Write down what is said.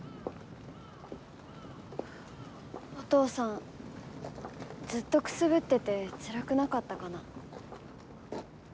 お父さんずっとくすぶっててつらくなかったかな。